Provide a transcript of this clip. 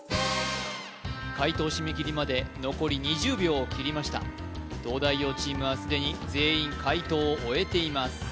解答締め切りまで残り２０秒を切りました東大王チームはすでに全員解答を終えています